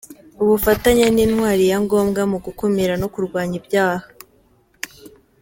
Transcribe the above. Ubufatanye ni intwaro ya ngombwa mu gukumira no kurwanya ibyaha.